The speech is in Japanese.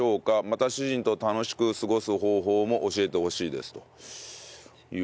また主人と楽しく過ごす方法も教えてほしいですという事。